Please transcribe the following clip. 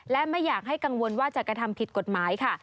และไม่อยากให้กังวลว่าจะกระทำผิดกฎหมายค่ะ